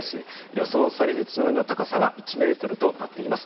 予想される津波の高さは１ｍとなっています。